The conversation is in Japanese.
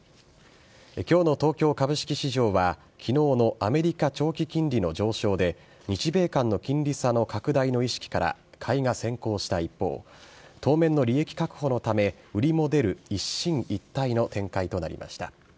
きょうの東京株式市場は、きのうのアメリカ長期金利の上昇で、日米間の金利差の拡大の意識から買いが先行した一方、当面の利益確保のため、売りも出る一進一退の展開となりました。